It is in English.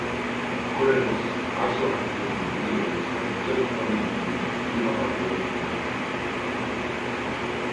Correos also appears in videos by sketch comedy group Viva La Dirt League.